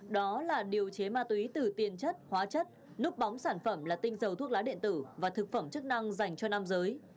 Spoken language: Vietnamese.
đó là điều chế ma túy từ tiền chất hóa chất núp bóng sản phẩm là tinh dầu thuốc lá điện tử và thực phẩm chức năng